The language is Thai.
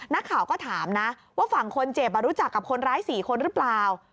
นักข่าวก็ถามนะว่าฝั่งคนเจ็บรู้จักกับคนร้าย๔คนหรือเปล่า